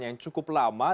mereka belum mati